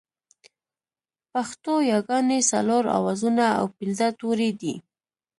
پښتو ياگانې څلور آوازونه او پينځه توري دي